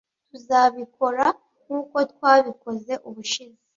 Tuzabikora nkuko twabikoze ubushize.